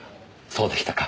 そうでしたか。